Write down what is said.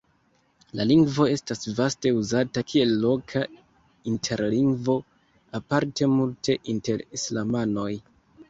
La lingvo estas vaste uzata kiel loka interlingvo, aparte multe inter islamanoj.